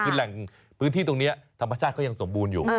คือแหล่งพื้นที่ตรงนี้ธรรมชาติเขายังสมบูรณ์อยู่